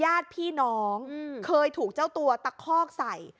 ญาติพี่น้องเคยถูกเจ้าตัวตะคอกใส่